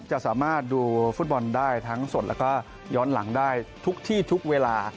จะสามารถดูฟุตบอลได้ทั้งสดแล้วก็ย้อนหลังได้ทุกที่ทุกเวลา